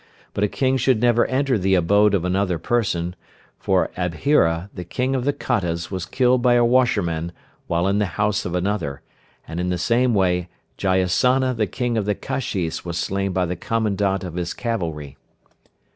But a King should never enter the abode of another person, for Abhira, the King of the Kottas was killed by a washerman while in the house of another, and in the same way Jayasana the King of the Kashis was slain by the commandment of his cavalry.